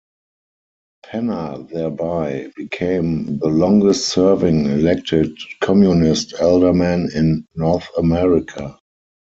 Penner thereby became the longest serving elected Communist alderman in North America.